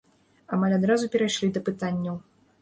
Амаль адразу перайшлі да пытанняў.